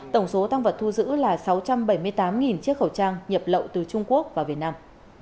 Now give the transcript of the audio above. tổng số tăng vật thu giữ là sáu trăm bảy mươi tám chiếc khẩu trang nhập lậu từ trung quốc vào việt nam